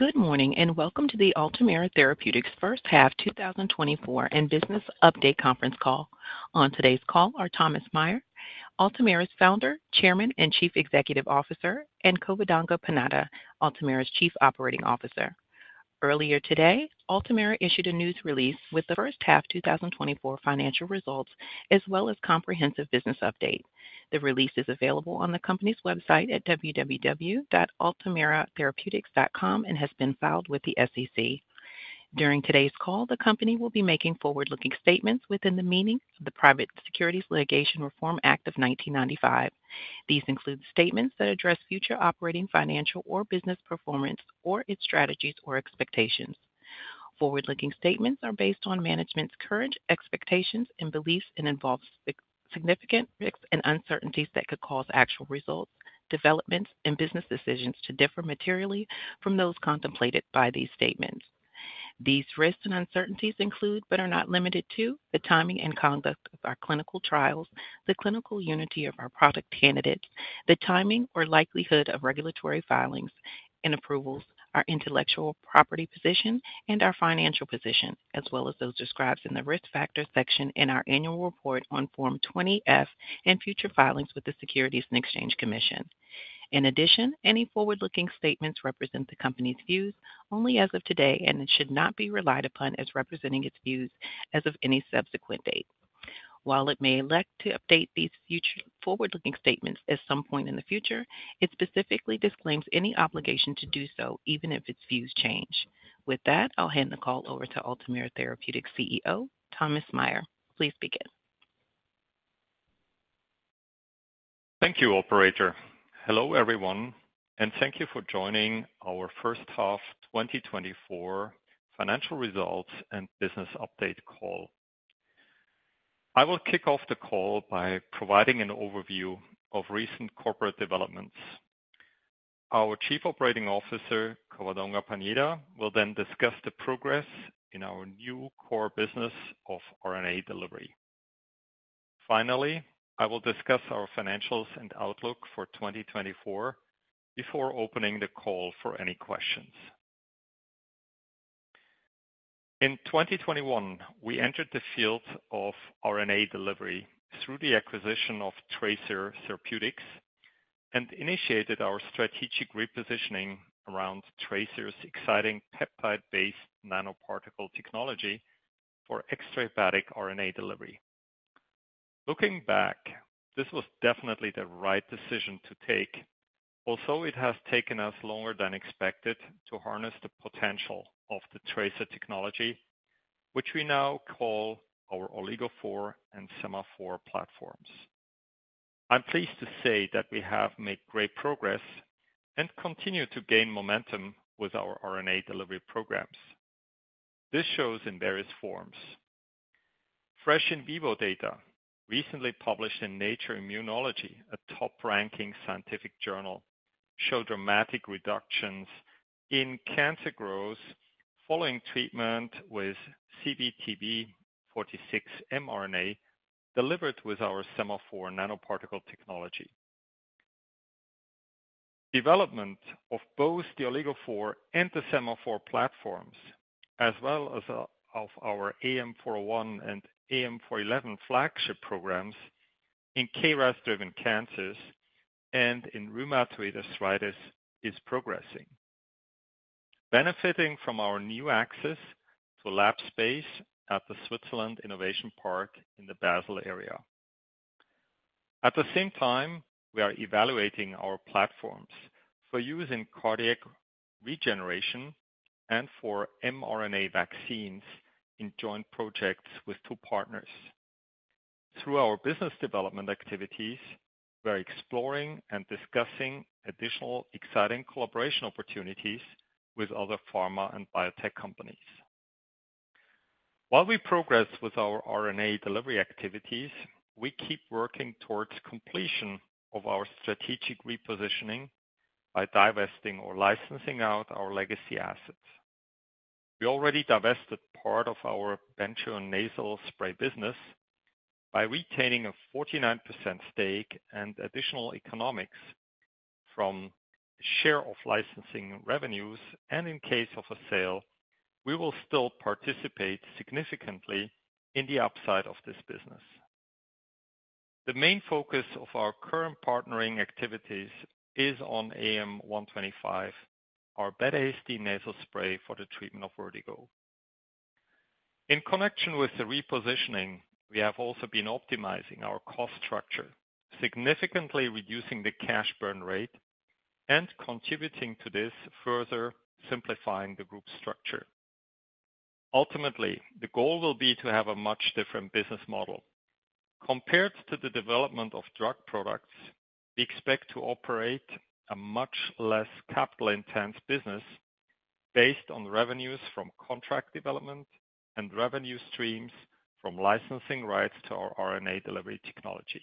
Good morning, and welcome to the Altamira Therapeutics First Half 2024 and Business Update Conference Call. On today's call are Thomas Meyer, Altamira's Founder, Chairman, and Chief Executive Officer, and Covadonga Pañeda, Altamira's Chief Operating Officer. Earlier today, Altamira issued a news release with the first half financial results as well as comprehensive business update. The release is available on the company's website at www.altimatherapeutics.com and has been filed with the SEC. During today's call, the company will be making forward-looking statements within the meaning of the Private Securities Litigation Reform Act of 1995. These include statements that address future operating, financial, or business performance, or its strategies or expectations. Forward-looking statements are based on management's current expectations and beliefs, and involves significant risks and uncertainties that could cause actual results, developments, and business decisions to differ materially from those contemplated by these statements. These risks and uncertainties include, but are not limited to, the timing and conduct of our clinical trials, the clinical utility of our product candidates, the timing or likelihood of regulatory filings and approvals, our intellectual property position, and our financial position, as well as those described in the Risk Factors section in our annual report on Form 20-F and future filings with the Securities and Exchange Commission. In addition, any forward-looking statements represent the company's views only as of today and it should not be relied upon as representing its views as of any subsequent date. While it may elect to update these future forward-looking statements at some point in the future, it specifically disclaims any obligation to do so, even if its views change. With that, I'll hand the call over to Altamira Therapeutics CEO, Thomas Meyer. Please begin. Thank you, operator. Hello, everyone, and thank you for joining our first half 2024 financial results and business update call. I will kick off the call by providing an overview of recent corporate developments. Our Chief Operating Officer, Covadonga Pañeda, will then discuss the progress in our new core business of RNA delivery. Finally, I will discuss our financials and outlook for 2024 before opening the call for any questions. In 2021, we entered the field of RNA delivery through the acquisition of Trasir Therapeutics and initiated our strategic repositioning around Trasir's exciting peptide-based nanoparticle technology for extrahepatic RNA delivery. Looking back, this was definitely the right decision to take, although it has taken us longer than expected to harness the potential of the Trasir technology, which we now call our OligoPhore and SemaPhore platforms. I'm pleased to say that we have made great progress and continue to gain momentum with our RNA delivery programs. This shows in various forms. Fresh in vivo data, recently published in Nature Immunology, a top-ranking scientific journal, show dramatic reductions in cancer growth following treatment with ZBTB46 mRNA, delivered with our SemaPhore nanoparticle technology. Development of both the OligoPhore and the SemaPhore platforms, as well as of our AM-401 and AM-411 flagship programs in KRAS-driven cancers and in rheumatoid arthritis, is progressing, benefiting from our new access to lab space at the Switzerland Innovation Park in the Basel area. At the same time, we are evaluating our platforms for use in cardiac regeneration and for mRNA vaccines in joint projects with two partners. Through our business development activities, we are exploring and discussing additional exciting collaboration opportunities with other pharma and biotech companies. While we progress with our RNA delivery activities, we keep working towards completion of our strategic repositioning by divesting or licensing out our legacy assets. We already divested part of our Bentrio nasal spray business by retaining a 49% stake and additional economics from share of licensing revenues, and in case of a sale, we will still participate significantly in the upside of this business. The main focus of our current partnering activities is on AM-125, our betahistine nasal spray for the treatment of vertigo. In connection with the repositioning, we have also been optimizing our cost structure, significantly reducing the cash burn rate and contributing to this, further simplifying the group structure. Ultimately, the goal will be to have a much different business model. Compared to the development of drug products, we expect to operate a much less capital-intensive business based on revenues from contract development and revenue streams from licensing rights to our RNA delivery technology.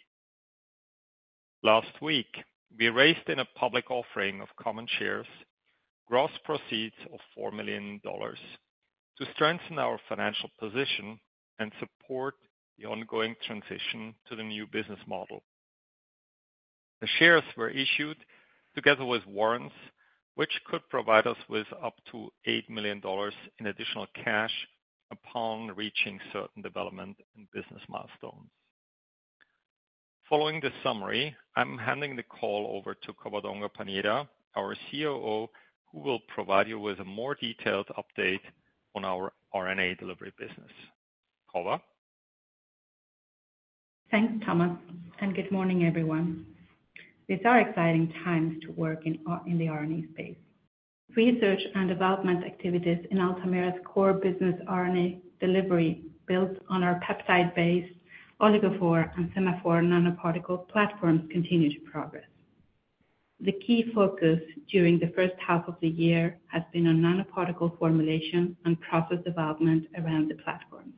Last week, we raised in a public offering of common shares, gross proceeds of $4 million to strengthen our financial position and support the ongoing transition to the new business model. The shares were issued together with warrants, which could provide us with up to $8 million in additional cash upon reaching certain development and business milestones. Following this summary, I'm handing the call over to Covadonga Pañeda, our COO, who will provide you with a more detailed update on our RNA delivery business. Cova? Thanks, Thomas, and good morning, everyone. These are exciting times to work in the RNA space. Research and development activities in Altamira's core business, RNA delivery, built on our peptide-based OligoPhore and SemaPhore nanoparticle platforms, continue to progress. The key focus during the first half of the year has been on nanoparticle formulation and process development around the platforms,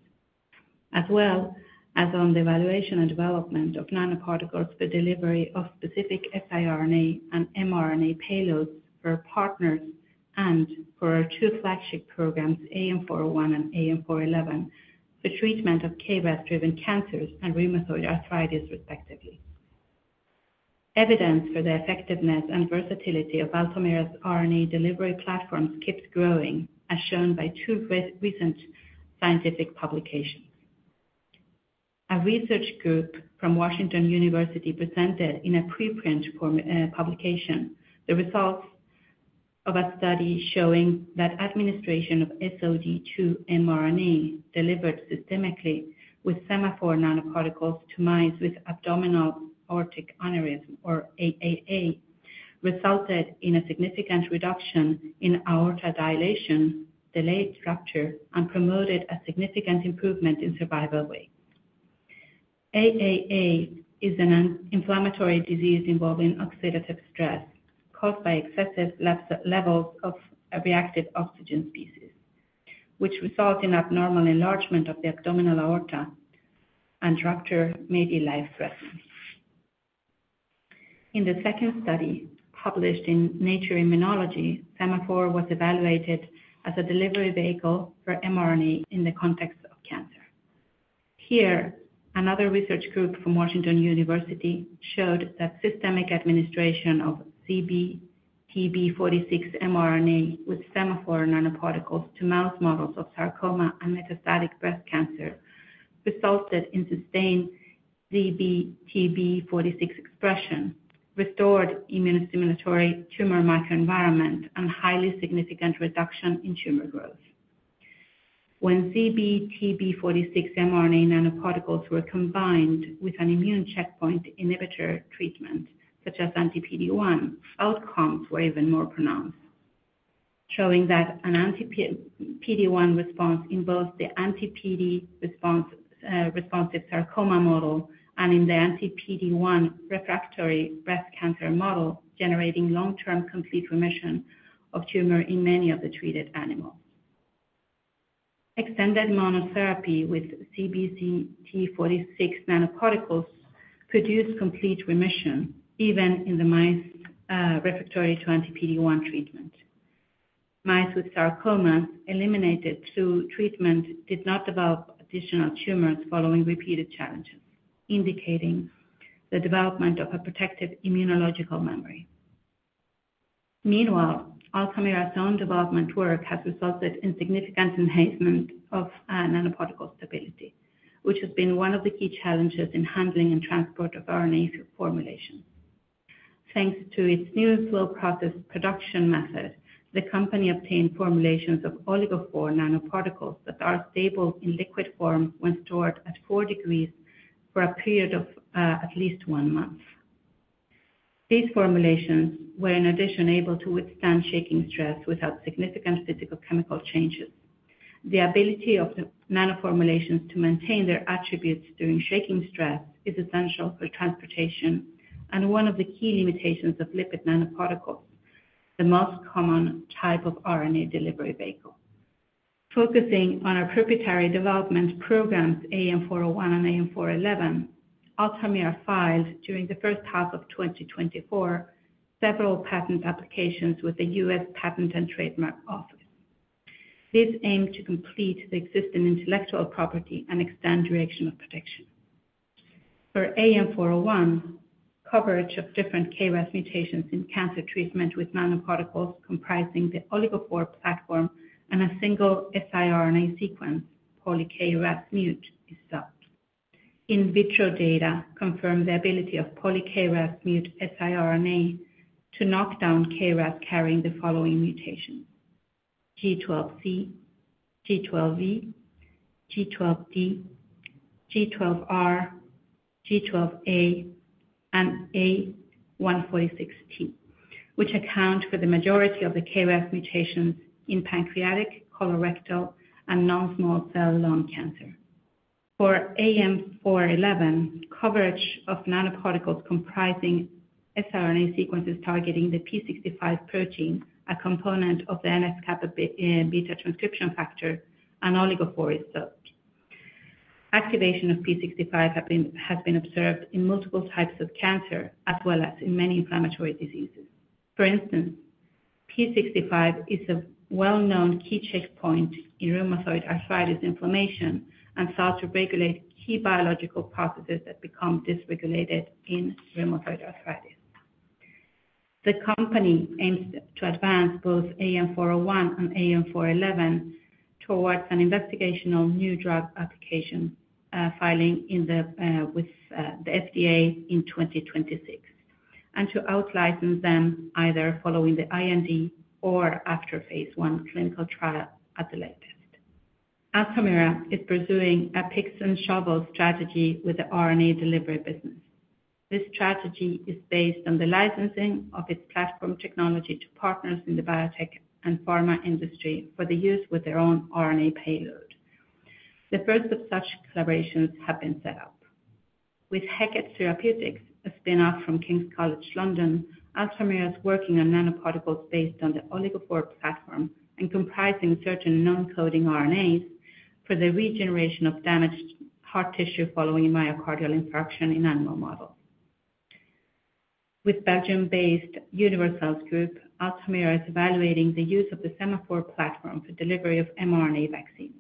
as well as on the evaluation and development of nanoparticles for delivery of specific siRNA and mRNA payloads for our partners and for our two flagship programs, AM-401 and AM-411, the treatment of KRAS-driven cancers and rheumatoid arthritis, respectively. Evidence for the effectiveness and versatility of Altamira's RNA delivery platforms keeps growing, as shown by two recent scientific publications. A research group from Washington University presented in a preprint form, publication, the results of a study showing that administration of SOD2 mRNA delivered systemically with SemaPhore nanoparticles to mice with abdominal aortic aneurysm or AAA, resulted in a significant reduction in aorta dilation, delayed rupture, and promoted a significant improvement in survival rate. AAA is an inflammatory disease involving oxidative stress caused by excessive levels of a reactive oxygen species, which result in abnormal enlargement of the abdominal aorta and rupture, maybe life-threatening. In the second study, published in Nature Immunology, SemaPhore was evaluated as a delivery vehicle for mRNA in the context of cancer. Here, another research group from Washington University showed that systemic administration of ZBTB46 mRNA with SemaPhore nanoparticles to mouse models of sarcoma and metastatic breast cancer, resulted in sustained ZBTB46 expression, restored immunostimulatory tumor microenvironment and highly significant reduction in tumor growth. When ZBTB46 mRNA nanoparticles were combined with an immune checkpoint inhibitor treatment, such as anti-PD-1, outcomes were even more pronounced, showing an anti-PD-1 response in both the anti-PD-1 responsive sarcoma model and in the anti-PD-1 refractory breast cancer model, generating long-term complete remission of tumor in many of the treated animals. Extended monotherapy with ZBTB46 nanoparticles produced complete remission, even in the mice refractory to anti-PD-1 treatment. Mice with sarcoma eliminated through treatment did not develop additional tumors following repeated challenges, indicating the development of a protective immunological memory. Meanwhile, Altamira's own development work has resulted in significant enhancement of nanoparticle stability, which has been one of the key challenges in handling and transport of RNA formulations. Thanks to its newest flow process production method, the company obtained formulations of OligoPhore nanoparticles that are stable in liquid form when stored at four degrees for a period of at least one month. These formulations were, in addition, able to withstand shaking stress without significant physicochemical changes. The ability of the nano formulations to maintain their attributes during shaking stress is essential for transportation and one of the key limitations of lipid nanoparticles, the most common type of RNA delivery vehicle. Focusing on our proprietary development programs, AM-401 and AM-411, Altamira filed during the first half of 2024 several patent applications with the U.S. Patent and Trademark Office. This aimed to complete the existing intellectual property and extend directional protection. For AM-401, coverage of different KRAS mutations in cancer treatment with nanoparticles comprising the OligoPhore platform and a single siRNA sequence, Poly-KRASmut is sought. In vitro data confirm the ability of Poly-KRASmut siRNA to knock down KRAS carrying the following mutations: G12C, G12V, G12D, G12R, G12A, and A146T, which account for the majority of the KRAS mutations in pancreatic, colorectal, and non-small cell lung cancer. For AM-411, coverage of nanoparticles comprising siRNA sequences targeting the p65 protein, a component of the NF-kappaB transcription factor and OligoPhore is sought. Activation of p65 has been observed in multiple types of cancer as well as in many inflammatory diseases. For instance-... p65 is a well-known key checkpoint in rheumatoid arthritis inflammation, and starts to regulate key biological processes that become dysregulated in rheumatoid arthritis. The company aims to advance both AM-401 and AM-411 towards an investigational new drug application filing with the FDA in 2026, and to outlicense them either following the IND or after phase one clinical trial at the latest. Altamira is pursuing a picks and shovels strategy with the RNA delivery business. This strategy is based on the licensing of its platform technology to partners in the biotech and pharma industry for the use with their own RNA payload. The first of such collaborations have been set up. With Heqet Therapeutics, a spin-off from King's College London, Altamira is working on nanoparticles based on the OligoPhore platform and comprising certain non-coding RNAs for the regeneration of damaged heart tissue following a myocardial infarction in animal models. With Belgium-based Univercells Group, Altamira is evaluating the use of the SemaPhore platform for delivery of mRNA vaccine.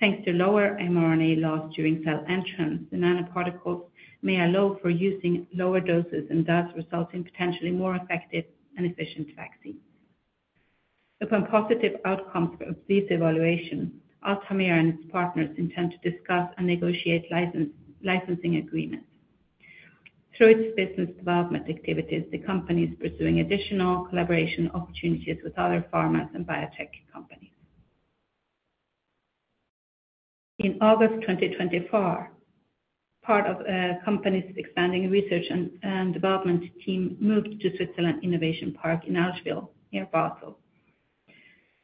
Thanks to lower mRNA loss during cell entrance, the nanoparticles may allow for using lower doses and thus resulting potentially more effective and efficient vaccines. Upon positive outcomes of this evaluation, Altamira and its partners intend to discuss and negotiate licensing agreements. Through its business development activities, the company is pursuing additional collaboration opportunities with other pharmas and biotech companies. In August 2024, part of the company's expanding research and development team moved to Switzerland Innovation Park in Allschwil, near Basel.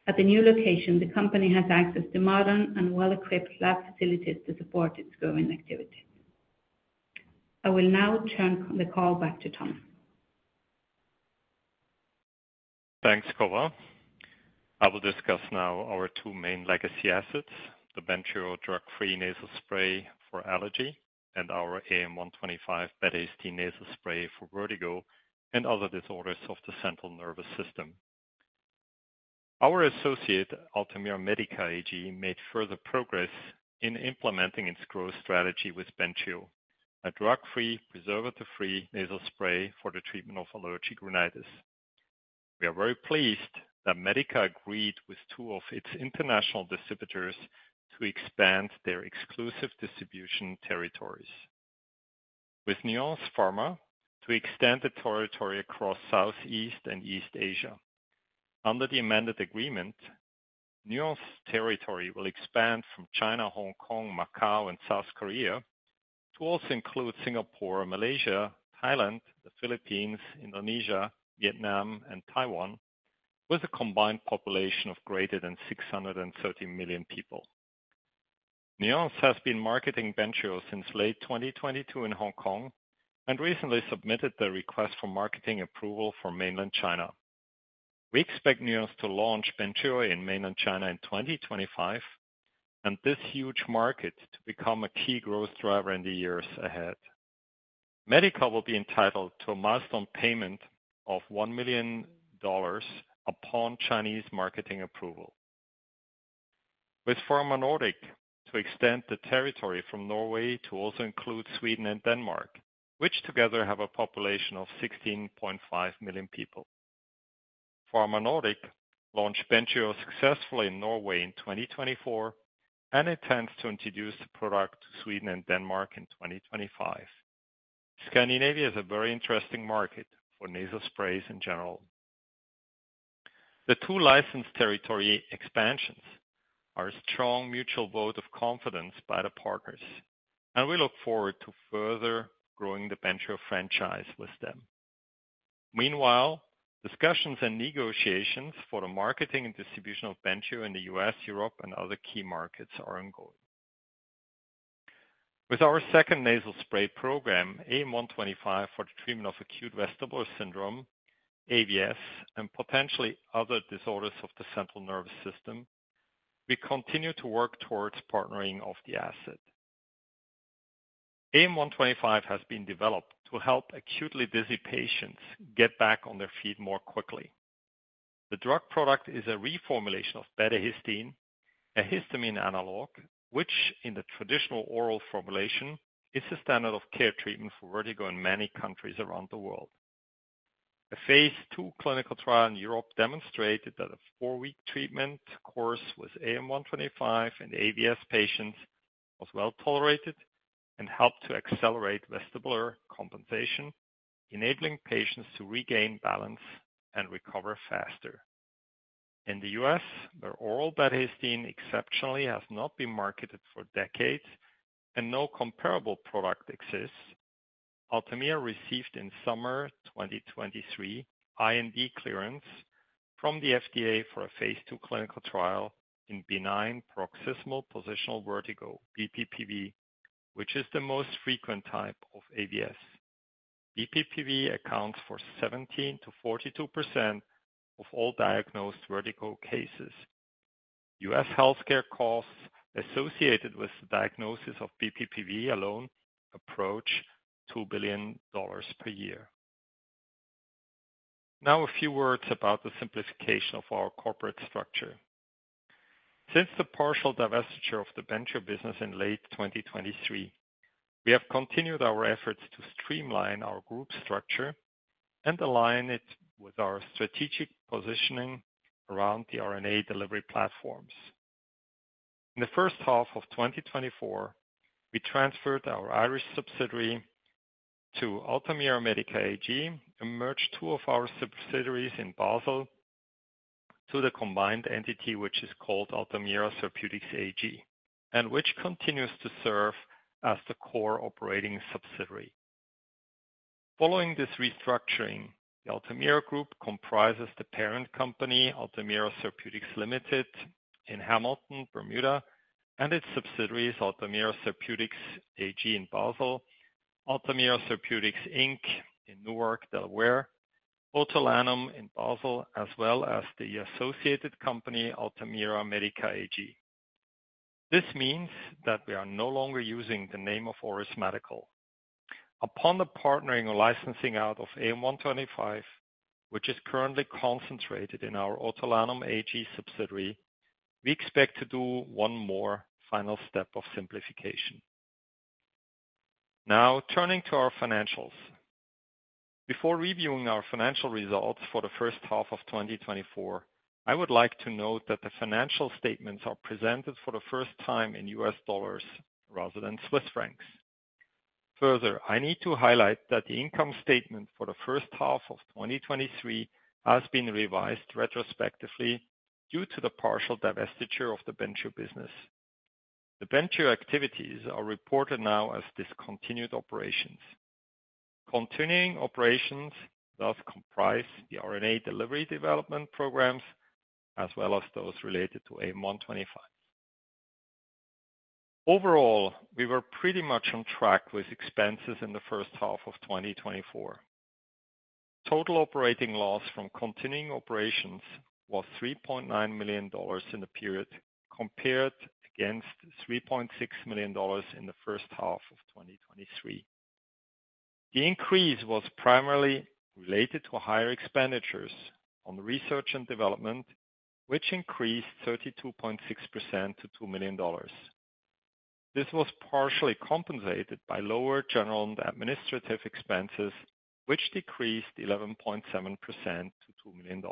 At the new location, the company has access to modern and well-equipped lab facilities to support its growing activity. I will now turn the call back to Thomas. Thanks, Cova. I will discuss now our two main legacy assets, the Bentrio drug-free nasal spray for allergy, and our AM-125 betahistine nasal spray for vertigo and other disorders of the central nervous system. Our associate, Altamira Medica AG, made further progress in implementing its growth strategy with Bentrio, a drug-free, preservative-free nasal spray for the treatment of allergic rhinitis. We are very pleased that Medica agreed with two of its international distributors to expand their exclusive distribution territories. With Nuance Pharma, to extend the territory across Southeast and East Asia. Under the amended agreement, Nuance territory will expand from China, Hong Kong, Macau, and South Korea, to also include Singapore, Malaysia, Thailand, the Philippines, Indonesia, Vietnam, and Taiwan, with a combined population of greater than 630 million people. Nuance has been marketing Bentrio since late 2022 in Hong Kong, and recently submitted the request for marketing approval for mainland China. We expect Nuance to launch Bentrio in mainland China in 2025, and this huge market to become a key growth driver in the years ahead. Medica will be entitled to a milestone payment of $1 million upon Chinese marketing approval. With Pharma Nord, to extend the territory from Norway to also include Sweden and Denmark, which together have a population of 16.5 million people. Pharma Nord launched Bentrio successfully in Norway in 2024, and intends to introduce the product to Sweden and Denmark in 2025. Scandinavia is a very interesting market for nasal sprays in general. The two licensed territory expansions are a strong mutual vote of confidence by the partners, and we look forward to further growing the Bentrio franchise with them. Meanwhile, discussions and negotiations for the marketing and distribution of Bentrio in the U.S., Europe, and other key markets are ongoing. With our second nasal spray program, AM-125, for the treatment of acute vestibular syndrome, AVS, and potentially other disorders of the central nervous system, we continue to work towards partnering of the asset. AM-125 has been developed to help acutely busy patients get back on their feet more quickly. The drug product is a reformulation of betahistine, a histamine analog, which, in the traditional oral formulation, is the standard of care treatment for vertigo in many countries around the world. A phase 2 clinical trial in Europe demonstrated that a four-week treatment course with AM-125 in AVS patients was well tolerated and helped to accelerate vestibular compensation, enabling patients to regain balance and recover faster. In the U.S., where oral betahistine exceptionally has not been marketed for decades and no comparable product exists, Altamira received in summer 2023 IND clearance from the FDA for a phase 2 clinical trial in Benign Paroxysmal Positional Vertigo, BPPV, which is the most frequent type of AVS. BPPV accounts for 17%-42% of all diagnosed vertigo cases. U.S. healthcare costs associated with the diagnosis of BPPV alone approach $2 billion per year. Now, a few words about the simplification of our corporate structure. Since the partial divestiture of the Bentrio business in late 2023, we have continued our efforts to streamline our group structure and align it with our strategic positioning around the RNA delivery platforms. In the first half of 2024, we transferred our Irish subsidiary to Altamira Medica AG, and merged two of our subsidiaries in Basel to the combined entity, which is called Altamira Therapeutics AG, and which continues to serve as the core operating subsidiary. Following this restructuring, the Altamira Group comprises the parent company, Altamira Therapeutics Limited in Hamilton, Bermuda, and its subsidiaries, Altamira Therapeutics AG in Basel, Altamira Therapeutics Inc. in Newark, Delaware, Otolanum AG in Basel, as well as the associated company, Altamira Medica AG. This means that we are no longer using the name of Auris Medical. Upon the partnering or licensing out of AM-125, which is currently concentrated in our Otolanum AG subsidiary, we expect to do one more final step of simplification. Now, turning to our financials. Before reviewing our financial results for the first half of 2024, I would like to note that the financial statements are presented for the first time in U.S. dollars rather than Swiss francs. Further, I need to highlight that the income statement for the first half of 2023 has been revised retrospectively due to the partial divestiture of the Bentrio business. The Bentrio activities are reported now as discontinued operations. Continuing operations thus comprise the RNA delivery development programs, as well as those related to AM-125. Overall, we were pretty much on track with expenses in the first half of 2024. Total operating loss from continuing operations was $3.9 million in the period, compared against $3.6 million in the first half of 2023. The increase was primarily related to higher expenditures on research and development, which increased 32.6% to $2 million. This was partially compensated by lower general and administrative expenses, which decreased 11.7% to $2 million.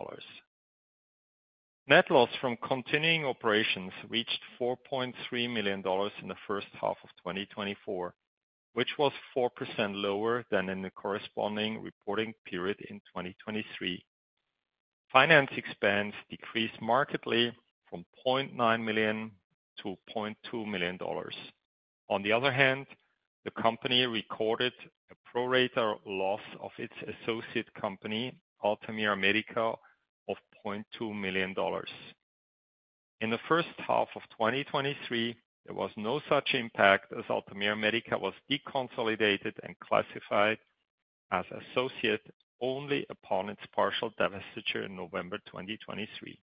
Net loss from continuing operations reached $4.3 million in the first half of 2024, which was 4% lower than in the corresponding reporting period in 2023. Finance expense decreased markedly from $0.9 million to $0.2 million. On the other hand, the company recorded a pro rata loss of its associate company, Altamira Medica, of $0.2 million. In the first half of 2023, there was no such impact as Altamira Medica was deconsolidated and classified as associate only upon its partial divestiture in November 2023.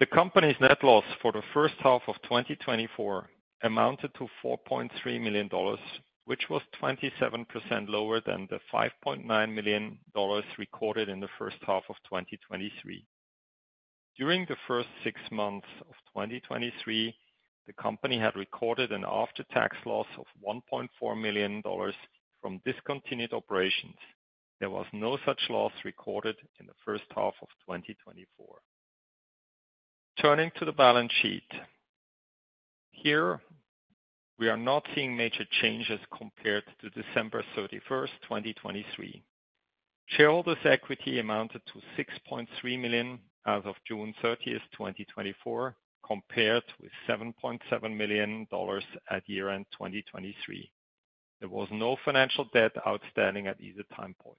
The company's net loss for the first half of 2024 amounted to $4.3 million, which was 27% lower than the $5.9 million recorded in the first half of 2023. During the first six months of 2023, the company had recorded an after-tax loss of $1.4 million from discontinued operations. There was no such loss recorded in the first half of 2024. Turning to the balance sheet. Here, we are not seeing major changes compared to December 31, 2023. Shareholders' equity amounted to $6.3 million as of June 30, 2024, compared with $7.7 million at year-end 2023. There was no financial debt outstanding at either time point.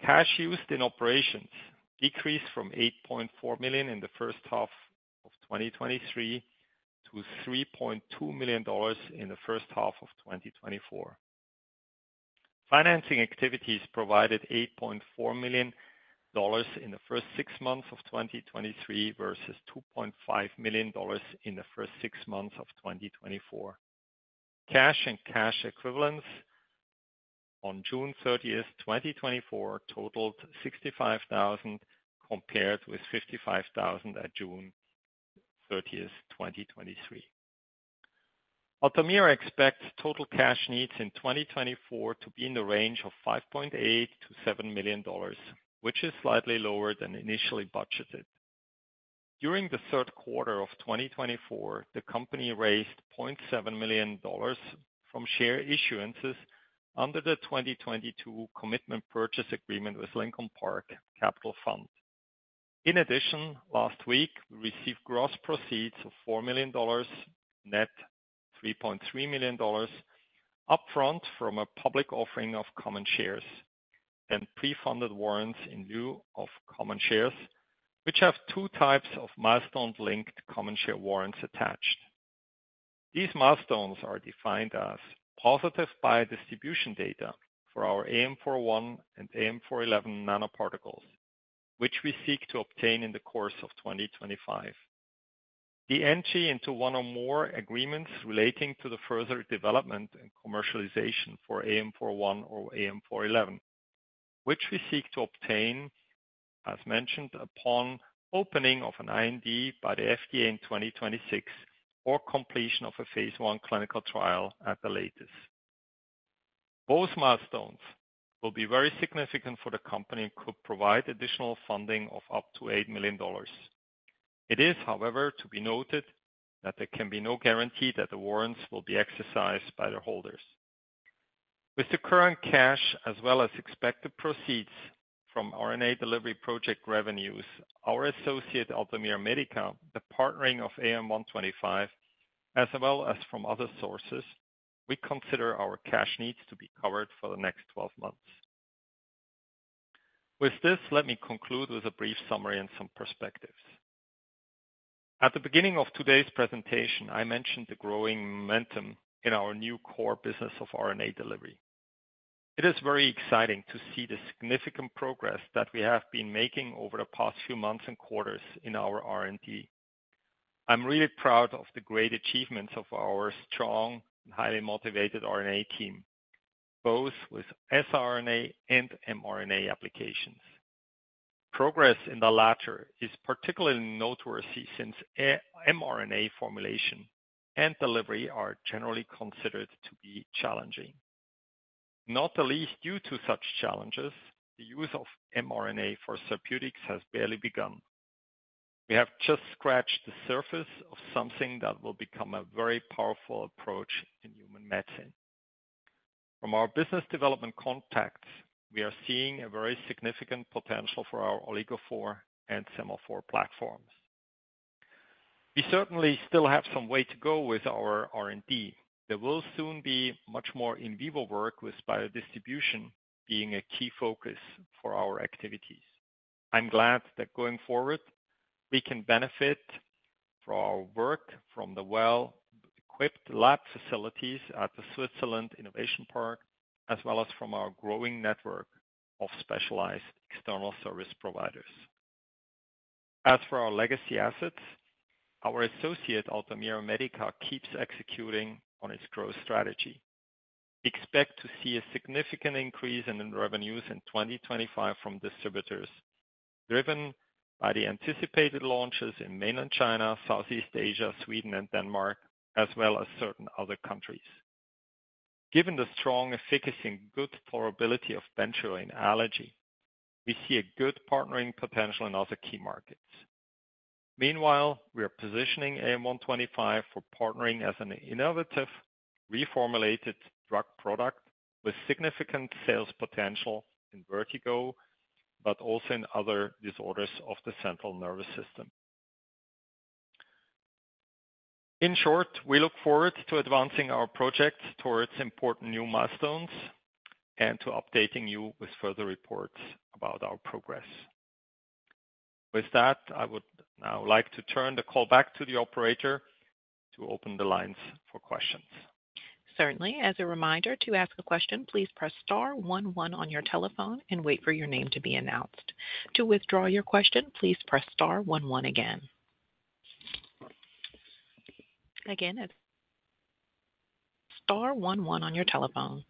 Cash used in operations decreased from $8.4 million in the first half of 2023 to $3.2 million in the first half of 2024. Financing activities provided $8.4 million in the first six months of 2023, versus $2.5 million in the first six months of 2024. Cash and cash equivalents on June 30, 2024, totaled $65,000, compared with $55,000 at June 30, 2023. Altamira expects total cash needs in 2024 to be in the range of $5.8-$7 million, which is slightly lower than initially budgeted. During the third quarter of 2024, the company raised $0.7 million from share issuances under the 2022 commitment purchase agreement with Lincoln Park Capital Fund. In addition, last week, we received gross proceeds of $4 million, net $3.3 million, upfront from a public offering of common shares and pre-funded warrants in lieu of common shares, which have two types of milestone-linked common share warrants attached. These milestones are defined as positive biodistribution data for our AM-401 and AM-411 nanoparticles, which we seek to obtain in the course of 2025. The entry into one or more agreements relating to the further development and commercialization for AM-401 or AM-411, which we seek to obtain, as mentioned, upon opening of an IND by the FDA in 2026 or completion of a phase 1 clinical trial at the latest. Both milestones will be very significant for the company and could provide additional funding of up to $8 million. It is, however, to be noted that there can be no guarantee that the warrants will be exercised by their holders. With the current cash as well as expected proceeds from our RNA delivery project revenues, our associate, Altamira Medica, the partnering of AM-125 as well as from other sources, we consider our cash needs to be covered for the next twelve months. With this, let me conclude with a brief summary and some perspectives. At the beginning of today's presentation, I mentioned the growing momentum in our new core business of RNA delivery. It is very exciting to see the significant progress that we have been making over the past few months and quarters in our R&D. I'm really proud of the great achievements of our strong and highly motivated RNA team, both with siRNA and mRNA applications. Progress in the latter is particularly noteworthy since mRNA formulation and delivery are generally considered to be challenging. Not the least due to such challenges, the use of mRNA for therapeutics has barely begun. We have just scratched the surface of something that will become a very powerful approach in human medicine. From our business development contacts, we are seeing a very significant potential for our OligoPhore and SemaPhore platforms. We certainly still have some way to go with our R&D. There will soon be much more in vivo work, with biodistribution being a key focus for our activities. I'm glad that going forward, we can benefit from our work from the well-equipped lab facilities at the Switzerland Innovation Park, as well as from our growing network of specialized external service providers. As for our legacy assets, our associate, Altamira Medica, keeps executing on its growth strategy. We expect to see a significant increase in revenues in 2025 from distributors, driven by the anticipated launches in mainland China, Southeast Asia, Sweden and Denmark, as well as certain other countries. Given the strong efficacy and good tolerability of Bentrio in allergy, we see a good partnering potential in other key markets. Meanwhile, we are positioning AM-125 for partnering as an innovative reformulated drug product with significant sales potential in vertigo, but also in other disorders of the central nervous system. In short, we look forward to advancing our projects towards important new milestones and to updating you with further reports about our progress. With that, I would now like to turn the call back to the operator to open the lines for questions. Certainly. As a reminder, to ask a question, please press star one one on your telephone and wait for your name to be announced. To withdraw your question, please press star one one again. Again, star one one on your telephone.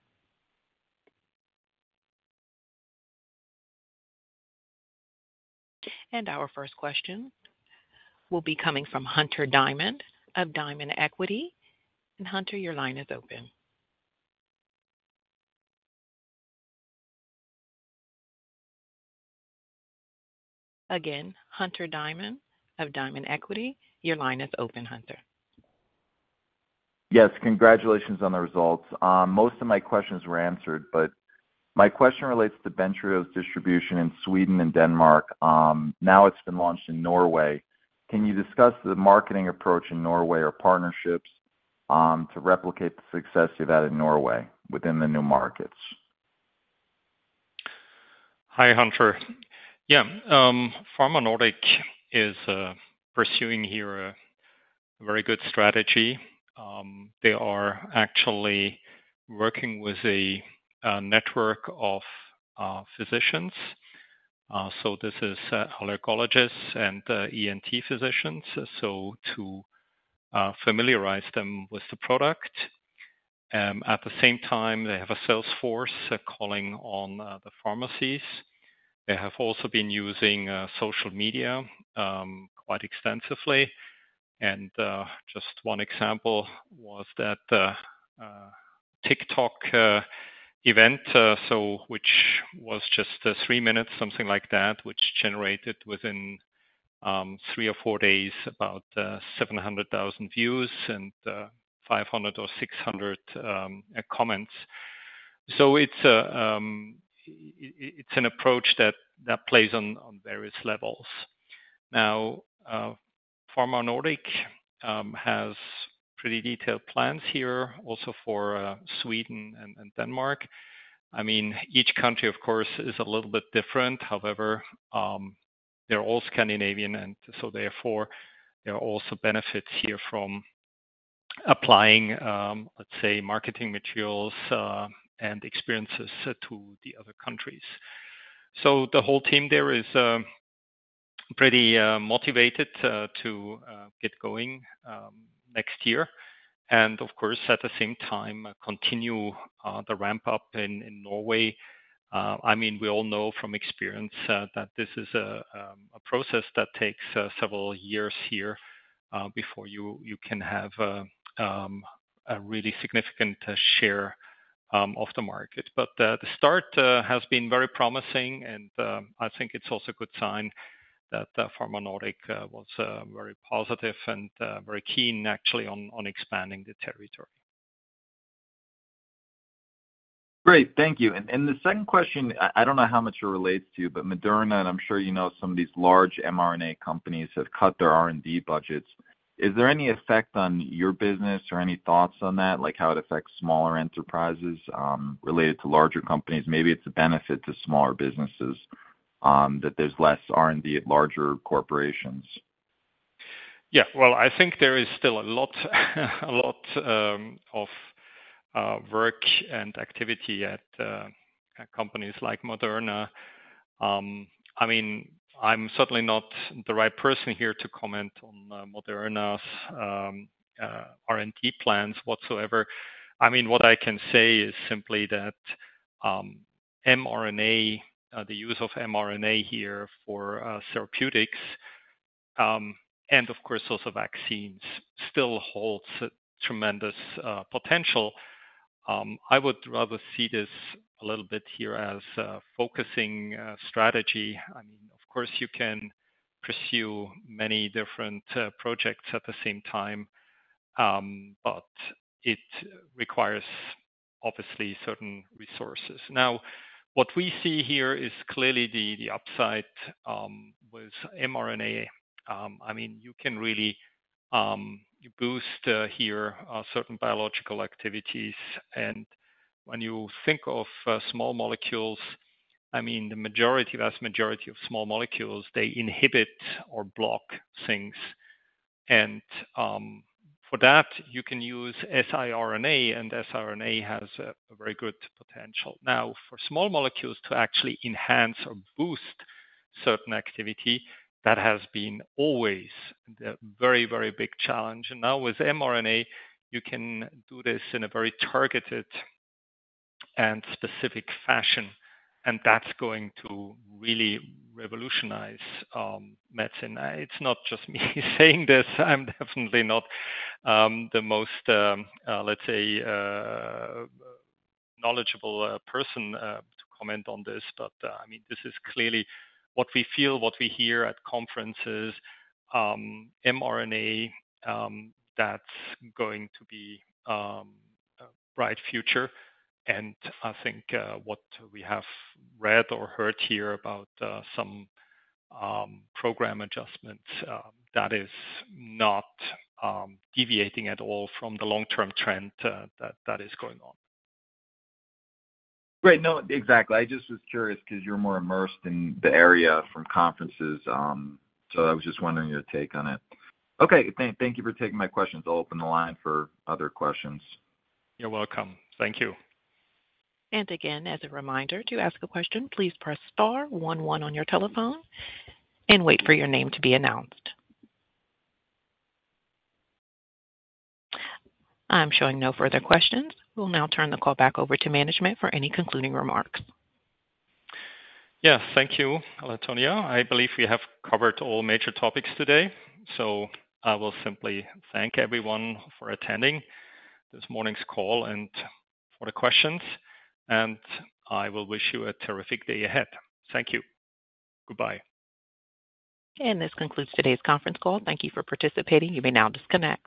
Our first question will be coming from Hunter Diamond of Diamond Equity. Hunter, your line is open. Again, Hunter Diamond of Diamond Equity, your line is open, Hunter. Yes, congratulations on the results. Most of my questions were answered, but my question relates to Bentrio's distribution in Sweden and Denmark. Now it's been launched in Norway. Can you discuss the marketing approach in Norway or partnerships to replicate the success you've had in Norway within the new markets? Hi, Hunter. Yeah, Pharma Nord is pursuing here a very good strategy. They are actually working with a network of physicians. So this is allergists and ENT physicians. So to familiarize them with the product. At the same time, they have a sales force calling on the pharmacies. They have also been using social media quite extensively, and just one example was that TikTok event, so which was just three minutes, something like that, which generated within three or four days about 700,000 views and 500 or 600 comments. So it's an approach that plays on various levels. Now, Pharma Nord has pretty detailed plans here also for Sweden and Denmark. I mean, each country, of course, is a little bit different. However, they're all Scandinavian, and so therefore, there are also benefits here from applying, let's say, marketing materials and experiences to the other countries, so the whole team there is pretty motivated to get going next year, and of course, at the same time, continue the ramp-up in Norway. I mean, we all know from experience that this is a process that takes several years here before you can have a really significant share of the market. But the start has been very promising, and I think it's also a good sign that Pharma Nord was very positive and very keen actually on expanding the territory. Great. Thank you. And the second question, I don't know how much it relates to you, but Moderna, and I'm sure you know, some of these large mRNA companies have cut their R&D budgets. Is there any effect on your business or any thoughts on that, like how it affects smaller enterprises, related to larger companies? Maybe it's a benefit to smaller businesses, that there's less R&D at larger corporations. Yeah. Well, I think there is still a lot of work and activity at companies like Moderna. I mean, I'm certainly not the right person here to comment on Moderna's R&D plans whatsoever. I mean, what I can say is simply that mRNA the use of mRNA here for therapeutics and of course also vaccines still holds tremendous potential. I would rather see this a little bit here as a focusing strategy. I mean, of course, you can pursue many different projects at the same time but it requires obviously certain resources. Now, what we see here is clearly the upside with mRNA. I mean, you can really you boost here certain biological activities. And when you think of small molecules, I mean, the majority, vast majority of small molecules, they inhibit or block things. And for that, you can use siRNA, and siRNA has a very good potential. Now, for small molecules to actually enhance or boost certain activity, that has been always a very, very big challenge. And now with mRNA, you can do this in a very targeted and specific fashion, and that's going to really revolutionize medicine. It's not just me saying this. I'm definitely not the most, let's say, knowledgeable person to comment on this, but I mean, this is clearly what we feel, what we hear at conferences. mRNA, that's going to be a bright future. I think what we have read or heard here about some program adjustments. That is not deviating at all from the long-term trend that is going on. Great. No, exactly. I just was curious because you're more immersed in the area from conferences, so I was just wondering your take on it. Okay, thank you for taking my questions. I'll open the line for other questions. You're welcome. Thank you. And again, as a reminder, to ask a question, please press star one one on your telephone and wait for your name to be announced. I'm showing no further questions. We'll now turn the call back over to management for any concluding remarks. Yeah. Thank you, Antonia. I believe we have covered all major topics today, so I will simply thank everyone for attending this morning's call and for the questions, and I will wish you a terrific day ahead. Thank you. Goodbye. This concludes today's conference call. Thank you for participating. You may now disconnect.